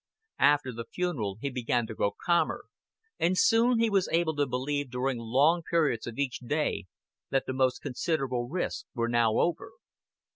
After the funeral he began to grow calmer, and soon he was able to believe during long periods of each day that the most considerable risks were now over.